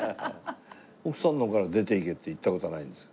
奥さんの方から出ていけって言った事はないんですか？